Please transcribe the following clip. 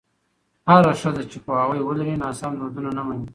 هره ښځه چې پوهاوی ولري، ناسم دودونه نه مني.